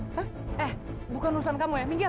hah eh bukan urusan kamu ya